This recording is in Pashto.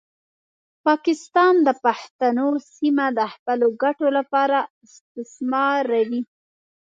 پاکستان د پښتنو سیمه د خپلو ګټو لپاره استثماروي.